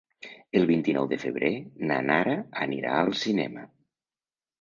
El vint-i-nou de febrer na Nara anirà al cinema.